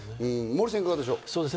モーリーさん、いかがでしょう？